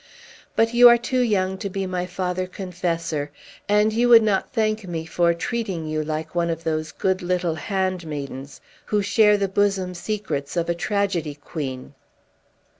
But you are too young to be my father confessor; and you would not thank me for treating you like one of those good little handmaidens who share the bosom secrets of a tragedy queen."